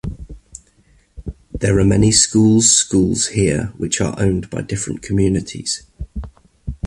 There are many schools schools here which are owned by different communities.